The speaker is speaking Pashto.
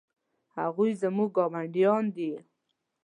هغوی زموږ ګاونډي دي